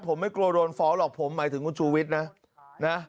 ผมไม่กลัวโดนฟ้องหรอกผมหมายถึงคุณชูวิทย์นะนะ